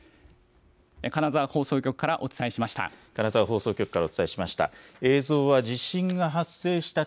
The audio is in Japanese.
金沢放送局からお伝えしました。